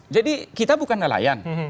jadi kita bukan nelayan